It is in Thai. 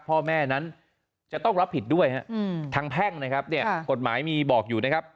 พ่อแม่นั้นจะต้องรับผิดด้วยทางแพ่งนะครับเนี่ยกฎหมายมีบอกอยู่นะครับ